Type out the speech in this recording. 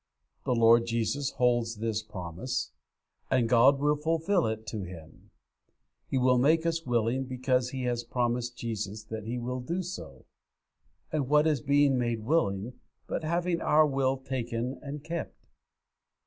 The Lord Jesus holds this promise, and God will fulfil it to Him. He will make us willing because He has promised Jesus that He will do so. And what is being made willing, but having our will taken and kept?